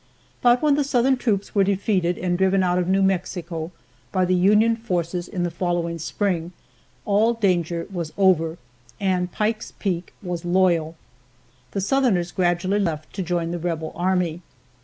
But when the Southern troops were defeated and driven out of New Mexico by the Union forces in the following spring, all danger was over and "Pike's Peak" was loyal. The Southerners gradually left to join the rebel army.